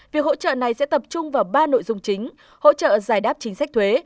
việc hỗ trợ này sẽ tập trung vào ba nội dung chính hỗ trợ giải đáp chính sách thuế